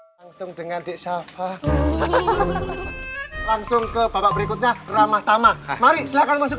langsung dengan di sapa langsung ke babak berikutnya ramah tamak mari silahkan masuk